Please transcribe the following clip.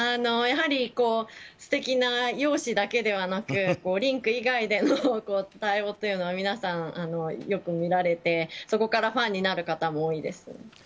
やはり、素敵な容姿だけではなくリンク以外での対応というのは皆さん、よく見られてそこからファンになる方も多いです。